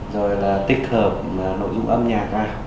rồi là tích hợp nội dung âm nhạc ra